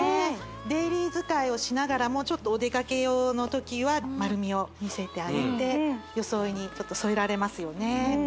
デイリー使いをしながらもちょっとお出かけ用の時は丸みを見せてあげて装いにちょっと添えられますよね